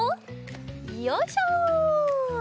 よいしょ！